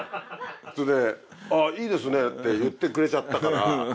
それで「あっいいですね」って言ってくれちゃったから。